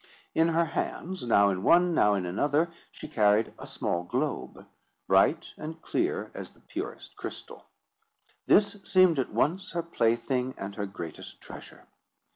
In her hands—now in one, now in another—she carried a small globe, bright and clear as the purest crystal. This seemed at once her plaything and her greatest treasure.